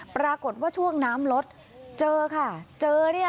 ปรากฏว่าช่วงน้ำลดเจอค่ะเจอเนี่ย